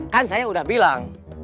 kan saya udah bilang